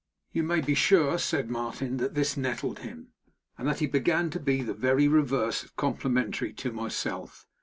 'You may be sure,' said Martin, 'that this nettled him, and that he began to be the very reverse of complimentary to myself.